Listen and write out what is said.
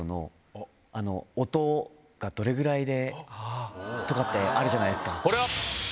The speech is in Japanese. どれぐらいでとかってあるじゃないですか。